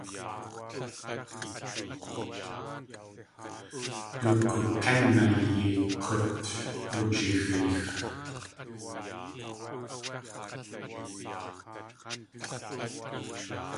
Du kook̲énayi k̲ut wujixeex.